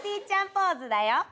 ちゃんポーズだよ。